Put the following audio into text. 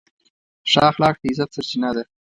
ښه اخلاق د عزت سرچینه ده.